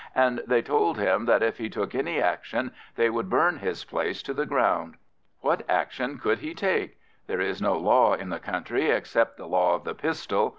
And they told him that if he took any action they would burn his place to the ground. What action could he take? There is no law in the country except the law of the pistol.